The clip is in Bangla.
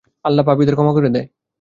আল্লাহ পাপীদের ক্ষমা করে দেয়।